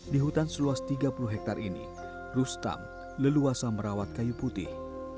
di hutan seluas tiga puluh hektare ini rustam leluasa merawat kayu putih